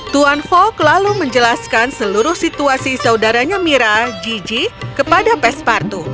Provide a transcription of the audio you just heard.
tuan fok lalu menjelaskan seluruh situasi saudaranya mira gigi kepada pespartu